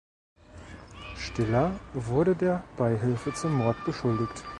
Stiller wurde der Beihilfe zum Mord beschuldigt.